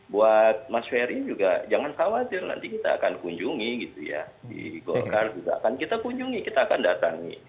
buat mas ferry juga jangan khawatir nanti kita akan kunjungi gitu ya di golkar juga akan kita kunjungi kita akan datangi